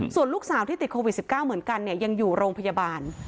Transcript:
ส่วนลูกสาวที่ติดโควิด๑๙เหมือนกันยังอยู่โรงพยาบาล